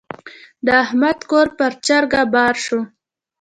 د احمد کور پر چرګه بار شو.